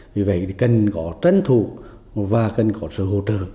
vì vậy cần có tranh thủ và cần có sự hỗ trợ